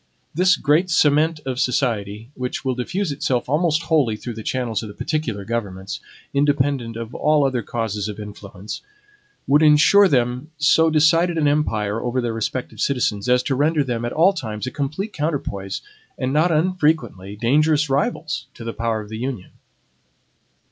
This great cement of society, which will diffuse itself almost wholly through the channels of the particular governments, independent of all other causes of influence, would insure them so decided an empire over their respective citizens as to render them at all times a complete counterpoise, and, not unfrequently, dangerous rivals to the power of the Union.